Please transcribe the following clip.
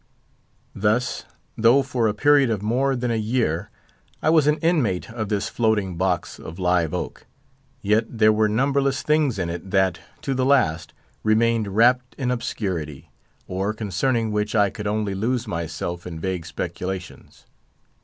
Thus, though for a period of more than a year I was an inmate of this floating box of live oak, yet there were numberless things in it that, to the last, remained wrapped in obscurity, or concerning which I could only lose myself in vague speculations.